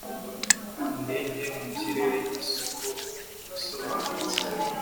indege yo mu kirere yisoko isobanutse